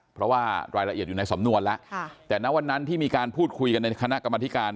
เพราะว่ารายละเอียดอยู่ในสำนวนแล้วแต่ณวันนั้นที่มีการพูดคุยกันในคณะกรรมธิการ